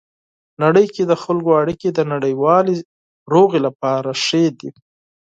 نړۍ کې د خلکو اړیکې د نړیوالې سولې لپاره مهمې دي.